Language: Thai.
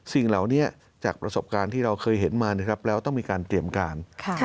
สิ่งเหล่านี้จากประสบการณ์ที่เราเคยเห็นมานะครับแล้วต้องมีการเตรียมการ